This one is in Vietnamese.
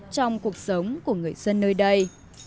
trong cuộc sống của người dân nơi đây